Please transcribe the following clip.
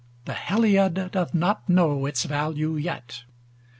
The Heliad doth not know its value yet.